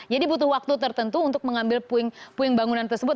jadi butuh waktu tertentu untuk mengambil puing bangunan tersebut